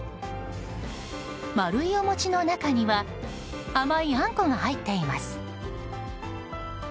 丸いお餅の中には甘いあんこが入っています。